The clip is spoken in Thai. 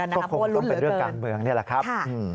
วันนี้เรื่องการเมืองล่ะครับ